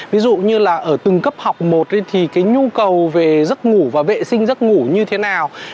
ví dụ như là ở từng cấp học một thì cái nhu cầu về giấc ngủ và vệ sinh giấc ngủ như thế nào